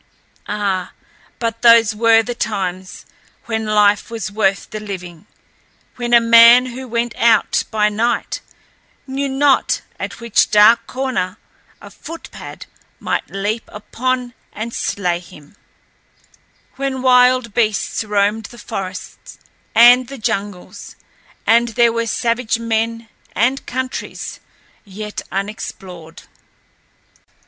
Ah, but those were the times when life was worth the living; when a man who went out by night knew not at which dark corner a "footpad" might leap upon and slay him; when wild beasts roamed the forest and the jungles, and there were savage men, and countries yet unexplored.